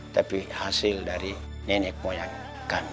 tapi hasil dari nenek moyang kami